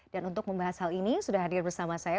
dan untuk membahas hal ini sudah hadir bersama saya